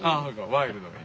ワイルドな。